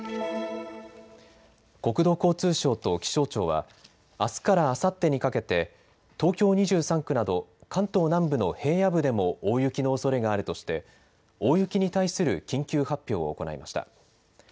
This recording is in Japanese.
国土交通省と気象庁は、あすからあさってにかけて、東京２３区など、関東南部の平野部でも大雪のおそれがあるとして、大雪に対する緊急発表を行いました。